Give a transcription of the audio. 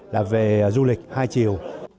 là về du lịch hai chiều